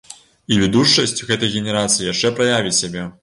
І відушчасць гэтай генерацыі яшчэ праявіць сябе.